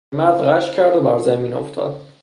پیرمرد غش کرد و برزمین افتاد.